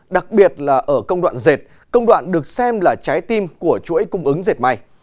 đặc biệt là ở công đoạn dệt công đoạn được xem là trái tim của chuỗi cung ứng dệt may